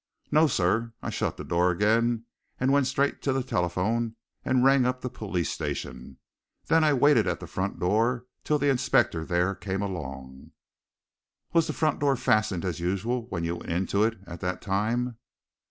"No, sir! I shut the door again, went straight to the telephone and rang up the police station. Then I waited at the front door till the inspector there came along." "Was the front door fastened as usual when you went to it at that time?"